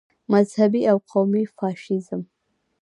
مذهبي او قومي فاشیزم.